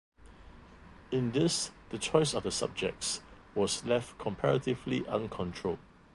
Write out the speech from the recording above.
In this the choice of the subjects was left comparatively uncontrolled.